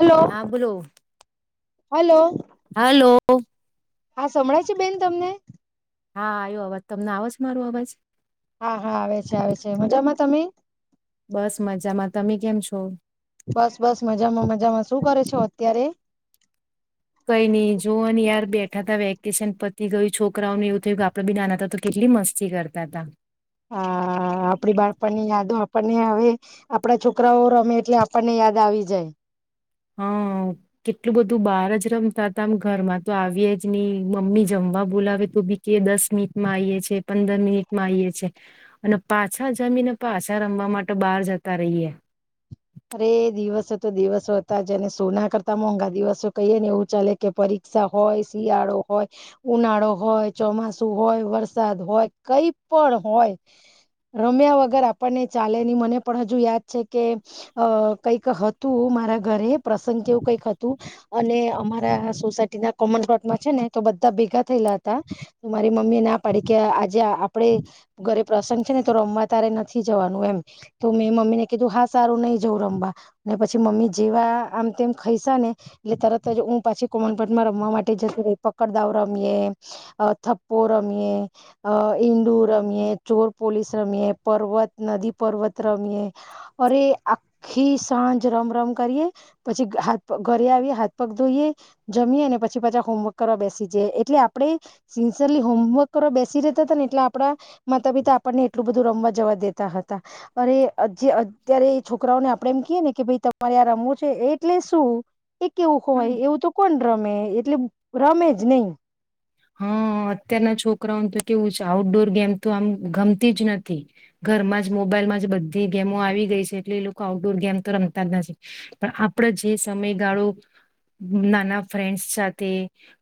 Hello હા બોલો hello hello હા સંભળાય છે બેન તમને હા આવ્યો અવાજ તમને આવજ મારો અવાજ હા હા આવે છે આવે છે મજામાં તમે બસ મજામાં તમે કેમ છો બસ બસ મજામાં મજામાં શું કરે છેો અત્યારે કઈ નઈ જો યાર બેઠા ત વેકેશન પતિ ગયું છોકરાઓને એવું થયું આપડે બી નાના હતા તો કેટલી મસ્તી કરતા હતા હ આપડી બાળપની યાદો આપ આપણને હવે આપડા છોકરાઓ રમે એટલે આપણને યાદ આવી જાય હા કેટલું બધું બહાર જ રમતા હતા આમ ઘરમાં તો આવીએ જ નહી મમ્મી જમવા બોલાવે તો બી કે દસ મિનિટમાં આવીઈએ છે પંદર મિનિટમાં આવીએ છે અને પાછા જમીને પાછા રમવા માટે બહાર જતા રહીએ અરે દિવસો તો દિવસો હતા જને સોના કરતા મોંઘા દિવસો કહીય ને એવું ચાલે કે પરીક્ષા હોય શિયાળો હોય ઉનાળો હોય ચોમાસુ હોય વરસાદ હોય કઈ પણ હોય રમ્યા વગર આપણને ચાલે ની મને પણ હજુ યાદ છે કે અ કંઈક હતું મારા ઘરે પ્રસંગ કેવું કઈક હતું અને અમારા સોસાયટીના કોમન પ્લોટમાં છે ને તો બધા ભેગા થયેલા હતા તો મારી મમ્મી ના પાડી કે આજે આપડે ઘરે પ્રસંગ છે ને તો રમવા તારે નથી જવાનું એમ તો મેં મમ્મીને કીધું હા સારું નહીિ રમવા પછી મમ્મી જેવા આમ તેમ ખાઈસા ને એટલે તરત જ હું પાછી કોમનપટમાં રમવા માટે જતો ર પકડદાવ રમીએ થપ્પો રમીએ ઈન્ડુ રમીએ ચોર પોલીસ રમીએ પર્વત નદી પર્વત રમીએ અરે આખી સાંજ રમ રમ કરીએ પછી હાથગ ઘરે આવીએ હાથ પગ ધોઈએ જમીએ અને પછી પાછા હોમવર્ક કરવા બેસી જઈ એટલે આપણે સિન્સિયરલી હોમવર્ક કરવા બેસી રેતા હતા ને એટલે આપડા માતા પિતા આપણને એટલું બધું રમવા જવા દેતા હતા અરે જે અત્યારે છોકરી છોકરાઓને આપડ એમ કએ ને કે ભાઈ તમારે આ રમવું છે એટલે શું એ કેવું હોય એવું તો કોણ રમે એટલે રમે જ નહી હા અત્યારના છોકરાઓનું તો કેવું છે આઉટડોર ગેમ તો આમ ગમતી જ નથી ઘરમાં જ મોબાઈલમાં જ બધી ગેમો આવી ગઈ છે એટલે એ લોકો આઉટડોર ગેમ તો રમતા જ નથી પણ આપડ જે સમયગાળો નાના ફ્રેન્ડ્સ સાથે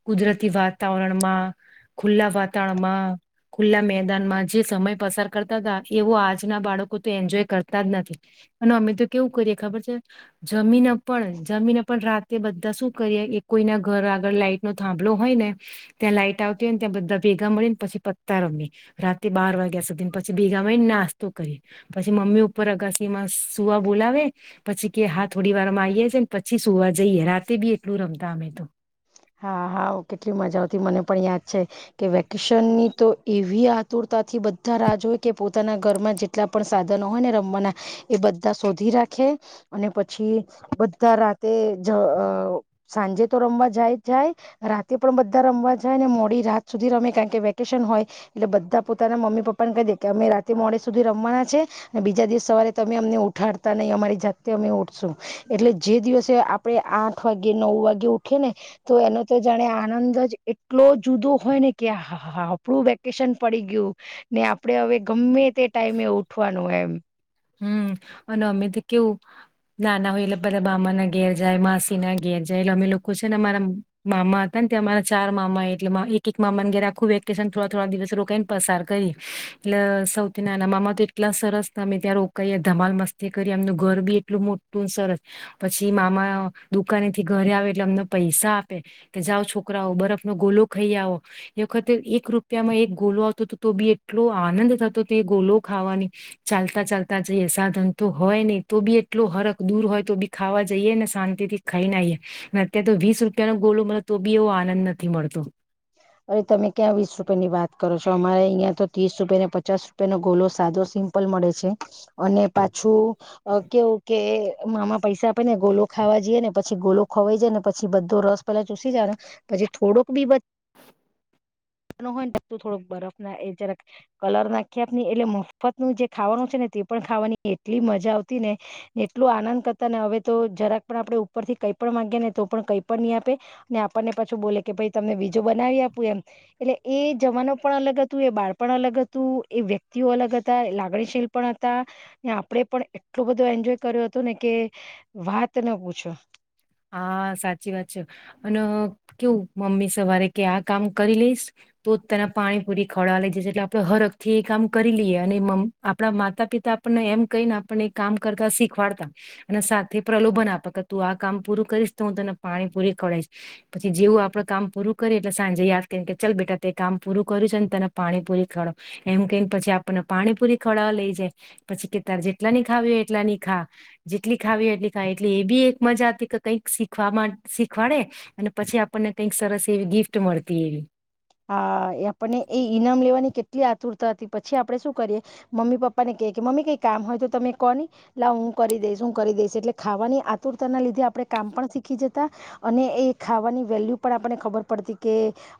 કુદરતી વાત વાતાવરણમાં ખુલ્લા વાતાવરણમાં ખુલ્લા મેદાનમાં જે સમય પસાર કરતા હતા એવો આજના બાળકો તો એન્જોય કરતા જ નથી અને અમે તો કેવું કરીએ ખબર છે જમીન જમીન પણ રાતે બધા શું કરીએ એક કોઈના ઘર આગળ લાઈટ નો થાંભલો હોય ને ત્યાં લાઈટ આવતી હોય ને ત્યાં બધા ભેગા મળે ને પછી પત્તા રમએ રાતે બાર વાગ્યા સુધીને પછી ભેગા મળીને નાસ્તો કરીએ પછી મમ્મી ઉપર અગાસીમાં સુવા બોલાવે પછી કે હા થોડી વારમાં આવીએ છે ને પછી સુવા જઈએ રાતે બી એટલું રમતા અમે તો હા હા કેટલી મજા આવતી મને પણ યાદ છે કે વેકેશનની તો એવી આતુરતાથી બધા રાજ હોય કે પોતાના ઘરમાં જેટલા પણ સાધનો હોય ને રમવાના એ બધા શોધી રાખે અને પછી બધા રાતે સાંજે તો રમવા જાય જાય રાતે પણ બધા રમવા જાય ને મોડી રાત સુધી રમે કારણ કે વેકેશન હોય એટલે બધા પોતાના મમ્મી પપ્પાને કહી દે કે અમે રાતે મોડે સુધી રમવાના છે અને બીજા દિવસે સવારે તમે અમને ઉઠાડતા નહી અમારી જાતેતે અમે ઉઠશું એટલે જે દિવસે આપડે આઠ વાગે નવ વાગે ઉઠીએ ને તો એનો તો જાણે આનંદ જ એટલો જુદો હોય ને કે હા હા આપણું વેકેશન પડી ગયું ને આપડણે હવે ગમે તે ટાઈમે ઉઠવાનું એમ હમ અને અમે તો કેવું નાના હોય એટલે પધા મામા ના ઘેર જાય માસી ના ઘેર જાય એટલે અમે લોકો છે ને અમારા મામા હતા ને ત્યાં અમારા ચાર મામા એટલે એક એક મામાને ઘેર આખું વેકેશન થોડા થોડા દિવસ રોકાાયને પસાર કરી એટલે સૌથી નાના મામા તો એટલા સરસ અમે ત્યાં રો કહી ધમાલ મસ્તી કરી એમનું ઘર બી એટલું મોટું સરસ પછી મામા દુકાને થી ઘરે આવે એટલે અમને પૈસા આપે કે જાઓ છોકરાઓ બરફનો ગોલો ખાઈ આવો એ વખતે એક રૂપિયામાં એક ગોલો આવતો હતો તો બી એટલો આનંદ થતો હતો એ ગોલો ખાવાની ચાલતા ચાલતા તા જઈએ સાધન તો હોય નહી તો બી એટલો હરખ દૂર હોય તો બી ખાવા જઈએ ને શાંતિ થી ખાઈને આવીઈએ અત્યારે તો વીસ રૂપિયા નો ગોલો મળે તો બી એવો આનંદ નથી મળતો અરે તમે ક્યાં વીસ રૂપિયા ની વાત કરો છો અમારે અહિયાં તો ત્રીસ રૂપિયા ને પચાસ રૂપિયાનોો ગોલો સાદો સિમ્પલ મળે છે અને પાછું કેવું કે મામા પૈસા આપે ને ગોલો ખાવા જઈએ ને પછી ગોલો ખોવાઈ જાય ને પછી બધો રસ પેલા ચૂસી જાય ને પછી થોડોક બી હોયને થોડોક બરફ ના એ જરાક કલર નાખી આપ એટલે મફત નું જે ખાવાનું છે ને તે પણ ખાવાની એટલી મજા આવતી ને એટલો આનંદ કરતા ને હવે તો જરાક પણ આપણેે ઉપરથી કંઈ પણ માંગ્યા ને તો પણ કંઈ પણ નહી આપે અને આપણને પાછું બોલે કે ભાઈ તમને જો બનાવી આપું એમ એટલે એ જવાનો પણ અલગ હતું એ બાળ પણ અલગ હતું એ વ્યક્તિઓ અલગ હતા એ લાગણીશીલ પણ હતા આપણેે પણ એટલો બધો એન્જોય કર્યો હતો ને કે વાત ન પૂછો હા સાચી વાત છે અને કેવું મમ્મી સવારે કે આ કામ કરી લઈશ તો તેના પાણી પૂરી ખળવા લઈ જશ એટલે આપણે હર અખ થી એ કામ કરી લઈએ અને આપણા માતા પિતા આપણને એમ કહી ને આપણને એ કામ કરતા શીખવાડતા અને સાથે પ્રલોભન આપે કે તું આ કામ પૂરું કરીશ તો હું તને પાણી પૂરી ખડીશ પછી જેવું આપડે કામ પૂરું કરીએ એટલે સાંજે યાદ કરી કે ચાલ બેટા તે કામ પૂરું કર્યું છે ને તને પાણી પૂરી ખડાવ એ હું કહીને પછી આપણને પાણી પૂરી ખવડાવવા લઈ જાય પછી કે તારે જેટલા ની ખાવી હો એટલાની ખા જેટલી ખાવી હો એટલી ખાવ એટ એ બી મજાતી કે કઈક શીખ શીખવાડે અને પછી આપણને કઈક સરસ એવી ગિફ્ટ મળતી એવી હા એ આપને એ ઈનામ લેવાની કેટ આટલી આતુરતા હતી પછી આપણે શું કરીએ મમ્મી પપ્પાને કહીએ કે મમ્મી કંઈ કામ હોય તો તમે કહોહી લાવ હું કરી દઈશ હું કરી દઈશ એટલે ખાવાની આતુરતાના લીધે આપણે કામ પણ શીખી જતા અને એ ખાવાની વેલ્યુ પણ આપણને ખબર પડતી કે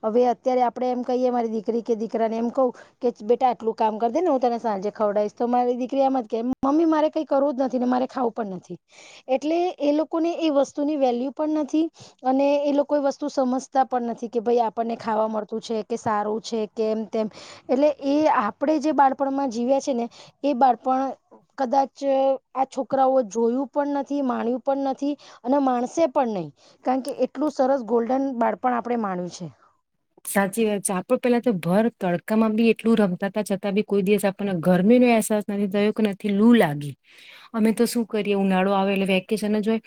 હવે ત્યારે આપડે એમ કહીએ મારી દીકરી કે દીકરાને એમ કહું કે બેટા આટલું કામ કર દે ને હું તને સાંજે ખવડાવશ તો મારી દીકરી એમ જ કે મમ્મી મારે કઈ કરવું જ નથી ને મારે ખાવું પણ નથી એટલે એ લોકોને એ વસ્તુની વેલ્યુ પણ નથી અને એ લોકો એ વસ્તુ સમજતા પણ નથી કે ભાઈ આપણને ખાવા મળતું છે કે સારું છે કેમ તેમ એટલે એ આપણે જે બાળપણમાં જીવ્યા છે ને એ બાળપણ કદાચ આ છોકરાઓ જોયું પણ નથી માણ્યું પણ નથી અને માણસે પણ નહીિ કારણ કે એટલું સરસ ગોલ્ડન બાળપણ આપણે માણ્યું છે સાચી વાત છે આપડ પેલા તો ભર તડકામાં બી એટલું રમતા ત છતાં બી કોઈ દિવસ આપણને ગરમીનો અહેસાસ નથી થયો કે નથી લૂ લાગી અમે તો શું કરીએ ઉનાળો આવે એટલે વેકેશન જ હોય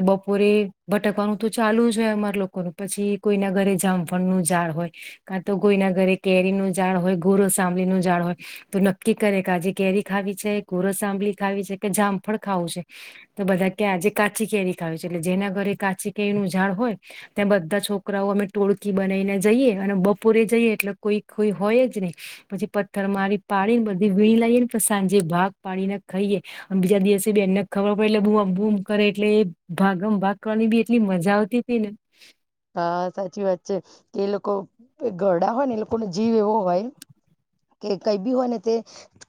એ બપોરે ભટકવાનું તો ચાલુ જ હોય અમારા લોકોનું પછી કોઈના ઘરે જામફળનું હોય કા તો કોોઈના ઘરે કેરી નું ાડ હોય ગોર સાંબળ નું ઝડ હોય તો નક્કી કરે કે આજે કેરી ખાવી છે ઘોર સાંબળી ખાવી છે કે જામફળ ખાવું છે તો બધા કે આજે કાચી કેરી ખાવી છે એટલે જેના ઘરે કાચી કેરી નું ઝા હોય ત્યાં બધા છોકરાઓ અમે ટોળકી બનાવીને જઈએ અને બપોરે જઈએ એટલે કોઈ કોઈ હોય જ નહી પછી પથ્થર મારી પાડી ને બધી વી લઈએ ને પ સાંજે ભાગ પાડીને ખાઈએે અને બીજા દિવસે બ એને ખબર પડે એટલે બુ આમ બુમ કરે એટલે ભાગ આમ ભાગ કરવાની બી એટલી મજા આવતી હતી ને હા સાચી વાત છે કે એ લોકો ગરડા હોય ને એ લોકોનો જીવ એવો હોય કે કઈ બી હોય ને તે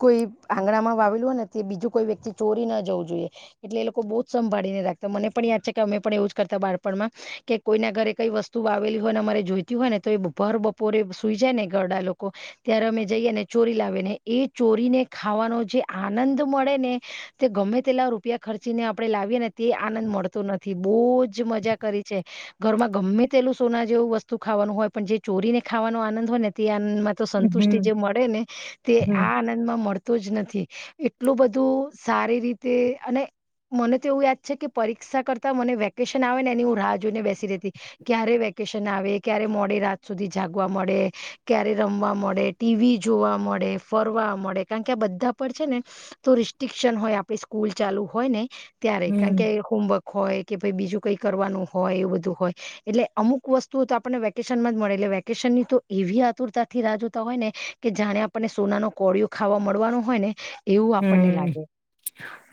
કોઈ આંગણામાં વાવેલું હોય ને તે બીજું કોઈ વ્યક્તિ ચોરી ના જવું જોઈએ એટલે એ લોકો બહુ જ સંભાળી ને રાખતા મને પણ યાદ છે કે અમે પણ એવું જ કરતા બાળપણમાં કે કોઈના ઘરે કઈ વસ્તુ આવેલી હોય ને અમારે જોઈતી હોય ને તો એ ભર બપોરે સુઈ જાય ને ઘરડા લોકો ત્યારે અમે જઈએ ને ચોરી લાવી ને એ ચોરીને ખાવાનો જે આનંદ મળે ને તે ગમે તેલા રૂપિયા ખર્ચીને આપણે લાવીએ ને તે આનંદ મળતો નથી બહુજ મજા કરી છે ઘરમાં ગમે તેલું સોના જેવું વસ્તુ ખાવાનું હોય પણ જે ચોરીને ખાવાનો આનંદ હોય ને ત્યાં તો સંતુષ્ટિ હમ જે મળે ને તે હમ આ આનંદ માં મળ જ નથી એટલું બધું સારી રીતે અને મને તો એવું યાદ છે કે પરીક્ષા કરતાં મને વેકેશન આવે ને એની હું રાહ જોઈને બેસી રહેતી ક્યારે વેકેશન આવે ક્યારે મોડી રાત સુધી જાગવા મળે ક્યારે રમવા મળે ટીવી જોવા મળે ફરવા મળે કારણ કે આ બધા પર છે ને તો રિસ્ટ્રિકશન હોય આપડી સ્કૂલ ચાલુ હોય ને ત્યારે કારણ હમ કે હોમવર્ક હોય કે ભાઈ બીજું કઈ કરવાનું હોય એવું બધું હોય એટલે અમુક વસ્તુ તો આપને વેકેશન માં જ મળે એટલે વેકેશન ની તો એવી આતુરતા થી રાહ જોતા હોય ને કે જાણે આપને સોના ન કોળિયયો ખાવા મળવાનું હોય ને એવું આપણને હમ લાગે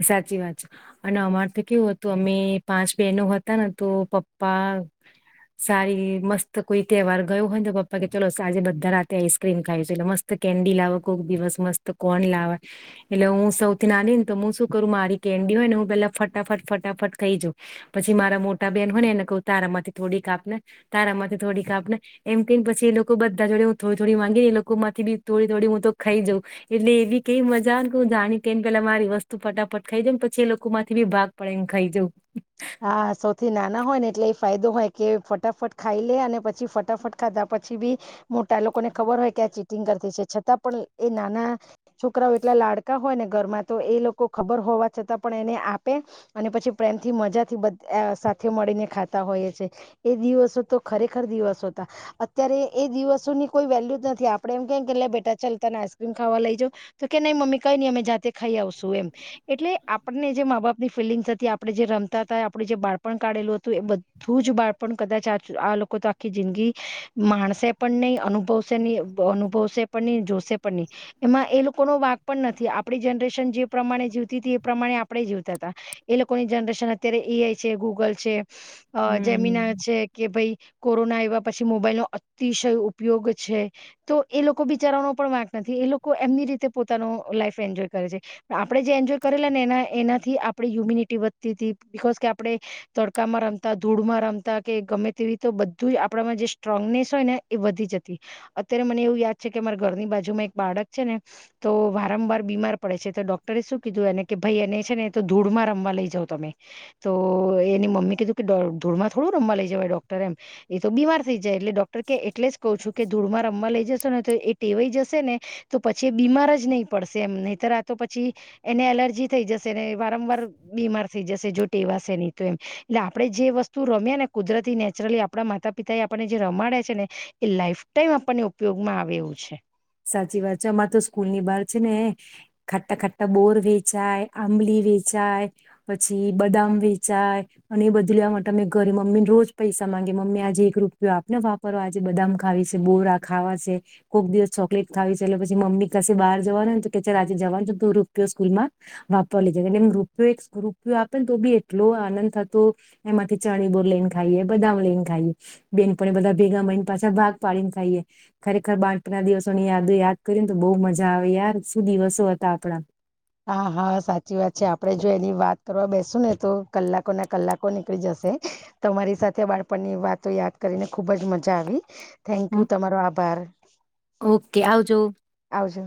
સાચી વાત છે અને અમારથી કેવું હતું અમે પાંચ બહેનો હતા ને તો પપ્પા સારી મસ્ત કોઈ તહેવાર ગયો હોયને પપ્પા કે ચલો આજે બધા રાતે આઈસક્રીમ ખાઈ છે એટલે મસ્ત કેન્ડી લાવો કોઈક દિવસ મસ્ત કોન લાવ એટલે હું સૌથી નાની ને તો હું શું કરું મારી કેન્ડી હોય ને હું પેલા ફટાફટ ફટાફટ ખાઈ જાઉ પછી મારા મોટા બેહેન હોય ને એને કહું તારા માંથી થોડી કાપ ને તારા માંથી થોડી કાપ ને એમ કને પછી એ લોકો બધા જોડે હું થોડી થોડી માંગીને એ લોકો માંથી બી થોડી થોડી હું તો ખાઈ જાઉં એટલે એવી કઈ મજા તું જાણી તે ને પેલા મારી વસ્તુ ફટાફટ ખાઈ જઉ ને પછી એ લોકો માંથી ભી ભાગ પડે ને ખાઈ જઉ હા સૌથી નાના હોય ને એટલે એ ફાયદો હોય કે ફટાફટ ખાઈ લે અને પછી ફટાફટ ખાધા પછી બી મોટા લોકોને ખબર હોય કે આ ચીટિંગ કરતી છે છતાં પણ એ નાના છોકરાઓ એટલા લાડકા હોય ને ઘરમાં તો એ લોકો ખબર હોવા છતાં પણ એને આપે અને પછી પ્રેમ થી મજા થી બધ સાથે મળીને ખાતા હોઈએ છેએ એ દિવસો તો ખરેખર દિવસો હતા અત્યારે એ દિવસોની કોઈ વેલ્યુ જ નથી આપડે એમ કે કે બેટા ચાલતાને આઈસ્ક્રીમ ખાવા લઈ જાાવ તો કે નહી મમ્મી કઈ નઈ અમે જાતે ખાઈ આવશું એમ એટલે આપણને જે મા બાપ ની ફિલિંગ્ આપણે જે રમ આપડું જે બાળપણ કાઢેલું હતું એ બધું જ બાળપણ કદાચ આ લોકો તો આખી જિંદગી માણશે પણ નહી અનુભવશે નહી અનુભવશે પણ નહી જોશે પણ નહીં એમાં એ લોકો ન વાક પણ નથી આપણી જનરેશન જે પ્રમાણે જીવતી હતી એ પ્રમાણે આપણે જીવતા હતા એ લોકોની જનરેશન અત્યારે એઆઈ છે ગૂગલ છે અ જેમીના હમ છે કે ભાઈ કોરોના આવ્યા પછી મોબાઈલનો અતિશય ઉપયોગ છે તો એ લોકો બિચારવાનો પણ વાંક નથી એ લોકો એમની રીતે પોતાનો લાઈફ એન્જોય કરે છે આપણે જે એન્જોય કરેલા ને એના એનાથી આપણે હ્યુમિનિટી વધતી હતી બીકોઝ કે આપડે તડકામાં રમતા ધૂળમાં રમતા કે ગમે તેવી તો બધું આપડામાં જે સ્ટ્રોંગનેસ હોય ને એ વધી જતી અત્યારે મને એવું યાદ છે કે મારા ઘરની બાજુમાં એક બાળક છે ને તો વારંવાર બીમાર પડે છે તો ડોક્ટરે શું કીધું એને કે ભાઈ એને છે ને તો ધૂળમાં રમવા લઈ જવો તમે. તો એની મમ્મી કીધું કે ધૂળમાં થોડું રમવા લઈ જવાય ડોક્ટર એમ એ તો બીમાર થઇ જાય એટલે ડોક્ટર કે એટલે જ કઉ છું કે ધૂળમાં રમવા લઈ જ સે ને તો એ ટેવાઈ જશે ને તો પછી એ બીમાર જ નઈ પડશે એમ નહીતર આ તો પછી એને એલર્જી થઈ જશે ને વારંવાર બીમાર થઈ જશે જો ટેવાસે નઈ તો એમ ને આપડે જે વસ્તુ રમ્યે ને કુદરતી નેચરલી આપડા માતા પિતા એ આપણને જે રમાડે છે ને એ લાઈફ ટાઈમ આપણને ઉપયોગમાં આવે એવું છે. સાચી વાત છે અમાર તો સ્કૂલ ની બહાર છે ને ખાટા ખાટા બોર વેચાય આંબલી વેચાય પછી બદામ વેચાય અને એ બદલવા માટે અમે ઘરે મમ્મી ને રોજ પૈસા માંગી મમ્મી આજે એક રૂપિયો આપને વાપરો આજે બદામ ખાવી છે બોર આ ખાવા છે કોક દિવસ ચોકલેટ ખાવી ચ પછી મમ્મી પાસે બહાર જવાનું હોય ને તો કે આજે જવાનું તો રૂપિયો સ્કૂલ માં વાપર લઈ જ એ રૂપ રૂપિયો આપે ને તો બી એટલો આનંદ હતો એમાંથી ચણી બોર લઈને ખાઈએ બદામ લઈને ખાઈએ બેનપણી બધા ભેગા મળઈને પાછા ભાગ પાડીને ખાઈએ ખરેખર બાણપના દિવસ સોની યાદ યાદ કરીને તો બહુ મજા આવે યાર સુ દિવસો હતા આપડા. હા હા સાચી વાત છે આપડે જો એની વાત કરવા બેસુ ને તો કલાકો ના કલાકો નીકળી જશે તમારી સાથે બાળપણની વાતો યાદ કરીને ખુબ જ મજા આવી. થેન્ક હં. યુ તમારો આભાર ઓકે આવજો. આવજો.